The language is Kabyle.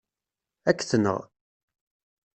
Ad k-tenɣ.